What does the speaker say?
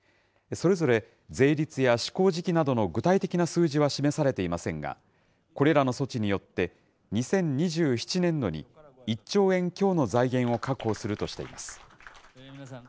それぞれ、税率や施行時期などの具体的な数字は示されていませんが、これらの措置によって２０２７年度に、１兆円強の財源を確保するとしています。